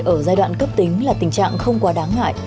ở giai đoạn cấp tính là tình trạng không quá đáng ngại